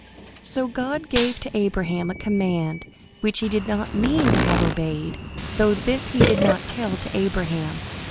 So God gave to Abraham a command which he did not mean to have obeyed, though this he did not tell to Abraham.